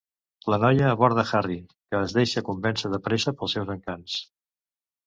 La noia aborda Harry, que es deixa convèncer de pressa pels seus encants.